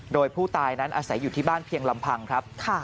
โดยผู้ตายนั้นอาศัยอยู่ที่บ้านเพียงลำพังครับ